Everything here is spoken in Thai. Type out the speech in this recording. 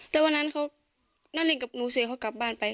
แล้ววันนั้นเขานารินกับหนูเสียเขากลับบ้านไป